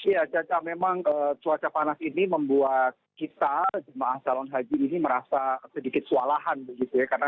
ya memang cuaca panas ini membuat kita jemaah calon haji ini merasa sedikit swalahan